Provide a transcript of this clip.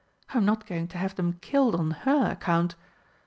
I'm not going to have them killed on her account.